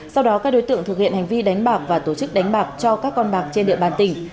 sau đó các đối tượng thực hiện hành vi đánh bạc và tổ chức đánh bạc cho các con bạc trên địa bàn tỉnh